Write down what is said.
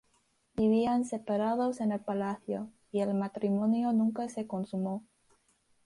Vivían separados en el palacio y el matrimonio nunca se consumó.